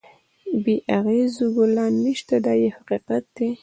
بې اغزیو ګلان نشته دا یو حقیقت دی.